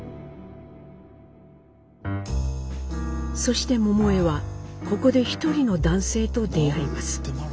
そして桃枝はここで一人の男性と出会います。